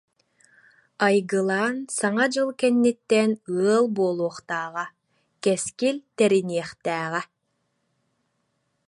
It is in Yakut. Айгылаан саҥа дьыл кэнниттэн ыал буолуохтааҕа, кэскил тэриниэхтээҕэ.